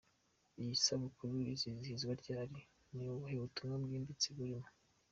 Iyi sabukuru izizihizwa ryari? Ni ubuhe butumwa bwimbitse burimo?.